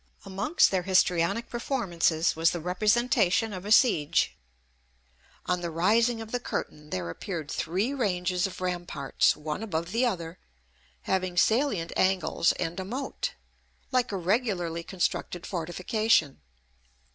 Amongst their histrionic performances was the representation of a siege. On the rising of the curtain there appeared three ranges of ramparts, one above the other, having salient angles and a moat, like a regularly constructed fortification.